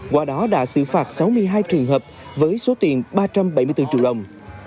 qua đó đã xử phạt sáu mươi hai trường hợp với số tiền ba trăm bảy mươi bốn triệu đồng